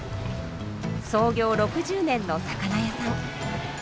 創業６０年の魚屋さん。